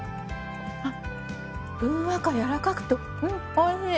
ふんわかやわらかくておいしい！